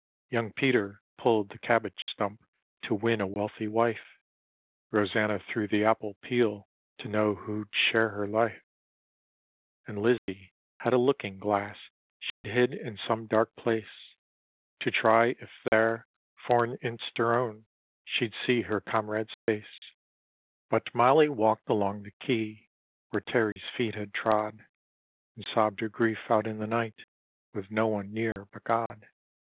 Young Peter pulled the cabbage stump to win a wealthy wife, Rosanna threw the apple peel to know who'd share her life; And Lizzie had a looking glass she'd hid in some dark place To try if there, foreninst her own, she'd see her com rade's fa(%. D,gt,, erihyGOOgle 14 The Haunted Hoar But Mollie walked along the quay where Teny's feet had trod. And sobbed her grief out in the night, with no one near but God.